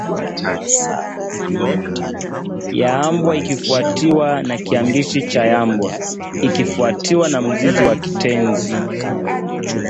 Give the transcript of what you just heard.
yambwa ikifuatiwa na kiambishi cha yambwa ikifuatiwa na mzizi wa kitenzi